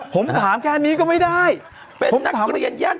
ไปทำไมน่ะนั่ง